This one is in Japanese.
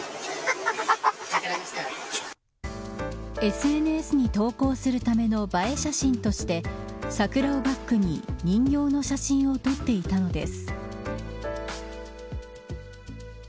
ＳＮＳに投稿するための映え写真として桜をバックに人形の写真を撮っていたのです。